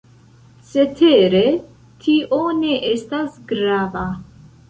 Cetere tio ne estas grava.